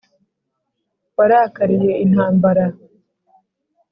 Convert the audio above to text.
Warakariye intambara